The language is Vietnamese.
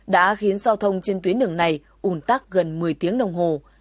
đã khiến giao thông trên tuyến đường này ủn tắc gần một mươi tiếng đồng hồ